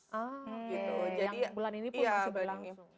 yang bulan ini pun masih berlangsung